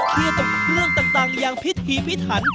เครียดกับเครื่องต่างอย่างพิษธีพิษฐาน